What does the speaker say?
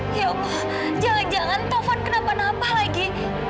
ya allah jangan jangan tovan kenapa napa lagi